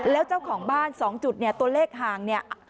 แล้วเจ้าของบ้าน๒จุดเนี่ยตัวเลขห่างเนี่ย